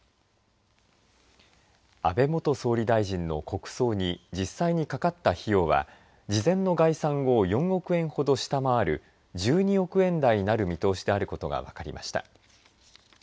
安倍元総理大臣の国葬に実際にかかった費用は事前の概算を４億円ほど下回る１２億円台になる見通しであることが分かりました。